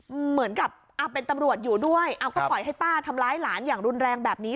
เหมือนกับเอาเป็นตำรวจอยู่ด้วยเอาก็ปล่อยให้ป้าทำร้ายหลานอย่างรุนแรงแบบนี้